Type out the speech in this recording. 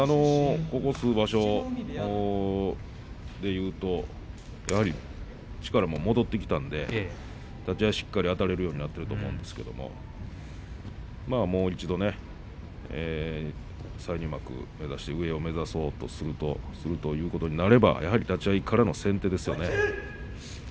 ここ数場所でいうとやはり力も戻ってきたので立ち合いしっかりあたれるようになっていると思うんですけどもまあ、もう一度再入幕目指して上を目指そうとするということになればやはり立ち合いからの先手ですよね。